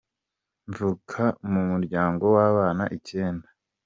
Mvuka mu muryango w'abana icyenda.